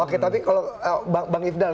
oke tapi kalau bang ifdal